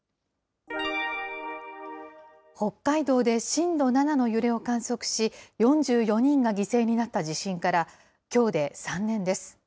北海道で震度７の揺れを観測し、４４人が犠牲になった地震からきょうで３年です。